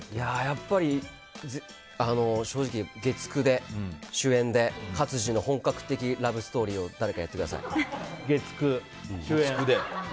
やっぱり正直月９で主演で勝地の本格的ラブストーリーを月９、主演。